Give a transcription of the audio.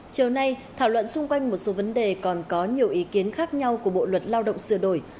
chiều nay thảo luận xung quanh một số vấn đề còn có nhiều ý kiến khác nhau của bộ luật lao động sửa đổi